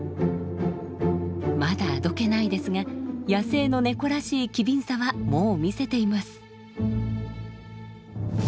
まだあどけないですが野生のネコらしい機敏さはもう見せています。